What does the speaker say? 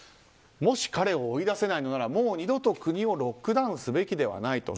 もし彼を追い出せないのならもう二度と国をロックダウンすべきではない。